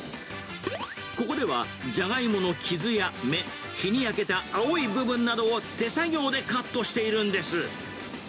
ここではジャガイモの傷や芽、日に焼けた青い部分などを手作業でカットしているんです。